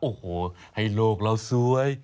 โอ้โหให้โลกเราสวย